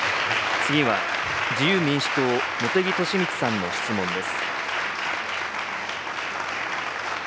次は自由民主党、茂木敏充さんの質問です。